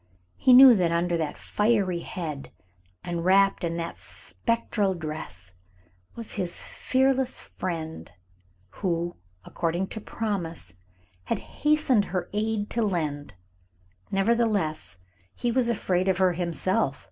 He knew that under that fiery head and wrapped in that spectral dress was his "fearless friend," who, according to promise, had hastened her aid to lend; nevertheless, he was afraid of her himself.